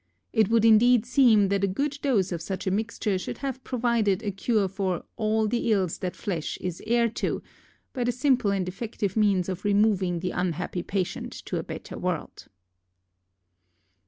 It would indeed seem that a good dose of such a mixture should have provided a cure for "all the ills that flesh is heir to," by the simple and effective means of removing the unhappy patient to a better world.